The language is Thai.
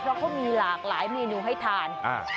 เพราะเขามีหลากหลายเมนูให้ทาน